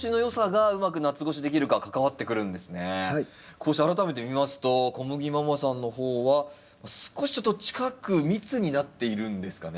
こうして改めて見ますとこむぎママさんの方は少しちょっと近く密になっているんですかね？